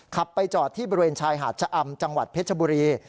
ไปจอดที่บริเวณชายหาดชะอำจังหวัดเพชรบุรี